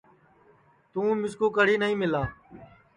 تُوں مِسکُو کڑھی نائی مِلا